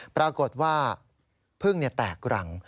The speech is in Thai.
ปรากฏว่าพึ่งแตกรัง